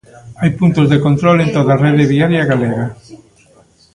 Hai puntos de control en toda a rede viaria galega.